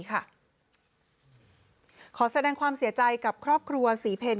ขอแสดงความเสียใจกับครอบครัวศรีเพล